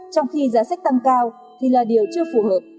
trong khi giá sách tăng cao thì là điều chưa phù hợp